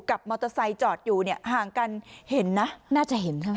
มอเตอร์ไซค์จอดอยู่เนี่ยห่างกันเห็นนะน่าจะเห็นเท่านั้น